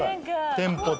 テンポとね。